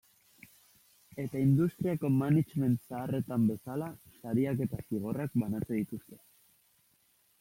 Eta industriako management zaharretan bezala, sariak eta zigorrak banatzen dituzte.